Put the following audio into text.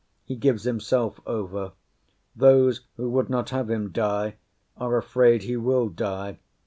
He gives himself over. Those who would not have him die, are afraid he will die.